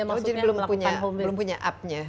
oh jadi belum punya up nya